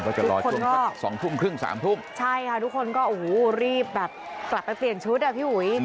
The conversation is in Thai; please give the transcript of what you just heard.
ทุกคนก็ค่ะต้องรอสองทุ่มครึ่งสามทุ่มใช่ค่ะทุกคนก็อู๊วหรีบแบบกลับไปเปลี่ยนชุดอ่ะพี่หูย